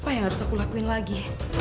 apa yang harus aku lakuin lagi